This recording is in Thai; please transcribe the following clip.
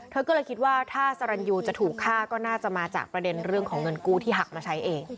เธอก็เลยคิดว่าถ้าสรรยูจะถูกฆ่าก็น่าจะมาจากประเด็นเรื่องของเงินกู้ที่หักมาใช้เอง